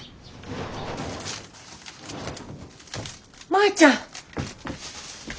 舞ちゃん。